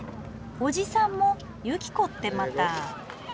おじさんもユキコってまたあ。